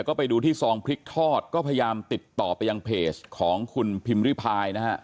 ก็ไปดูที่ซองพริกทอดก็พยายามติดต่อไปยังเพจของคุณพิมพ์ริพายนะฮะ